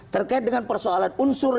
terkait dengan persoalan unsur